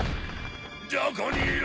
どこにいる？